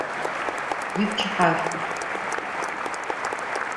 Vuipçıhe ş'u!